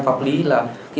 và chia sẻ